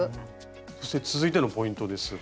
そして続いてのポイントですが。